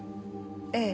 ええ。